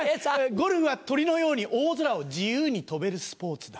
ゴルフは鳥のように大空を自由に飛べるスポーツだ。